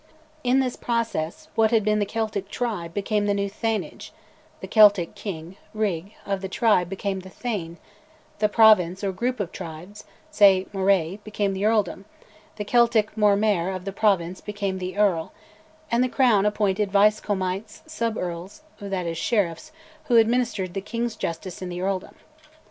In this process, what had been the Celtic tribe became the new "thanage"; the Celtic king (righ) of the tribe became the thane; the province or group of tribes (say Moray) became the earldom; the Celtic Mormaer of the province became the earl; and the Crown appointed vice comites, sub earls, that is sheriffs, who administered the King's justice in the earldom.